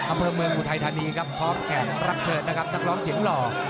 อำเภอเมืองอุทัยธานีครับพร้อมแขกรับเชิญนะครับนักร้องเสียงหล่อ